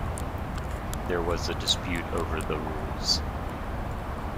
There was a dispute over the rules.